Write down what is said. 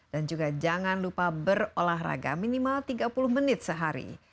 dan juga jangan lupa berolahraga minimal tiga puluh menit sehari